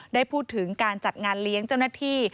ได้พูดถึงการจัดงานเลี้ยงเจ้าหน้าที่